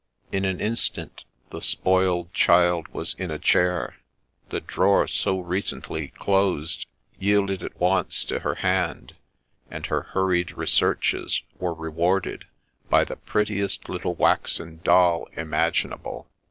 In an instant the spoiled child was in a chair ; the drawer so recently closed yielded at once to her hand, and her hurried researches were rewarded by the prettiest little waxen doll imaginable.